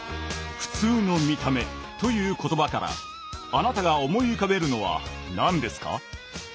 「ふつうの見た目」という言葉からあなたが思い浮かべるのは何ですか？